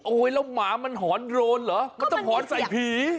แล้วหมามันหอนโดรนเหรอมันต้องหอนใส่ผี